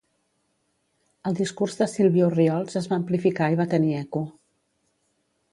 El discurs de Sílvia Orriols es va amplificar i va tenir eco.